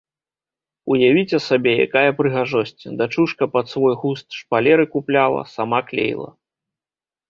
Уявіце сабе, якая прыгажосць, дачушка пад свой густ шпалеры купляла, сама клеіла.